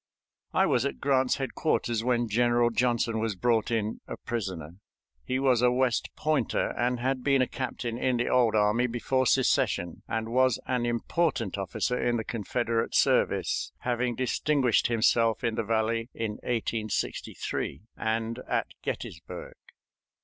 I was at Grant's headquarters when General Johnson was brought in a prisoner. He was a West Pointer, and had been a captain in the old army before secession, and was an important officer in the Confederate service, having distinguished himself in the Valley in 1863, and at Gettysburg.